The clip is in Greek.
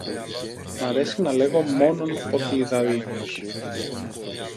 Μ' αρέσει να λέγω μόνον ό,τι είδα ο ίδιος